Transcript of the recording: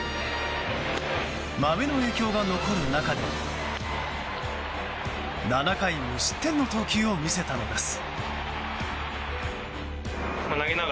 まめの影響が残る中で、７回無失点の投球を見せたのです。